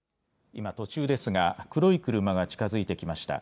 今、途中ですが黒い車が近づいてきました。